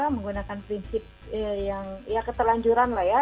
menggunakan prinsip yang ya keterlanjuran lah ya